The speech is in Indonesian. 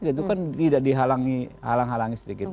itu kan tidak dihalangi sedikit